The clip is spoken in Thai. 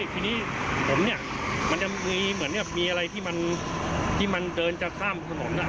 ที่นี้ผมมีอะไรที่มันมีอะไรที่มันเดินจากข้ามสนม